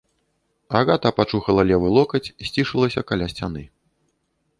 Агата пачухала левы локаць, сцішылася каля сцяны.